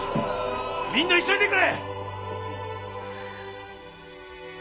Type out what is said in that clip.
みんな急いでくれ！